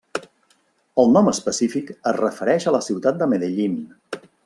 El nom específic es refereix a la ciutat de Medellín.